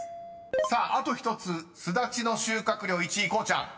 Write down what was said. ［さああと１つスダチの収穫量１位こうちゃん］